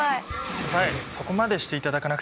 先輩そこまでしていただかなくても。